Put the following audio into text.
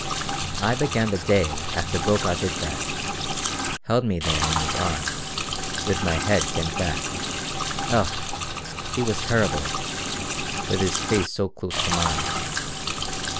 "I began the day after Brokaw did that held me there in his arms, with my head bent back. Ugh! he was terrible, with his face so close to mine!"